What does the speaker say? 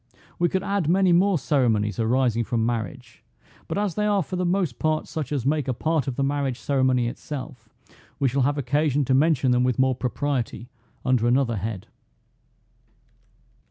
We could add many more ceremonies arising from marriage, but as they are for the most part such as make a part of the marriage ceremony itself, we shall have occasion to mention them with more propriety under another head.